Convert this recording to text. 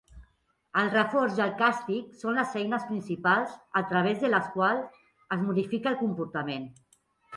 El reforç i el càstig són les eines principals a través de les quals es modifica el comportament.